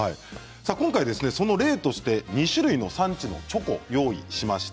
その例として２種類の産地のチョコを用意しました。